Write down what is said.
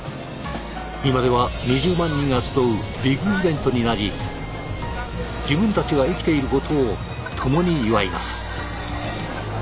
今では２０万人が集うビッグイベントになり自分たちが生きていることを共に祝います。